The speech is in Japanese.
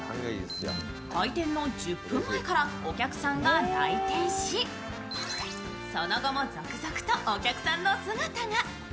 開店の１０分前からお客さんが来店しその後も続々とお客さんの姿が。